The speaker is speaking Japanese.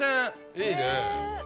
いいね。